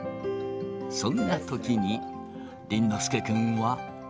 そんなときに、倫之亮君は。